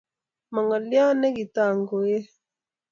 ma ngolyot ni negitangoe